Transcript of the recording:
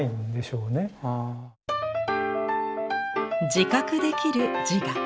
「自覚できる自我」。